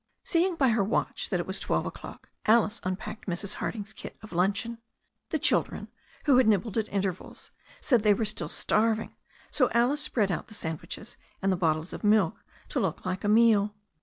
Seeing by her watch that it was twelve o'clock, Alice unpacked Mrs. Harding's kit of luncheon. The children,, who had nibbled at intervals, said they were still starving, so Alice spread out the sandwiches and the bottles of milk to look like a meal.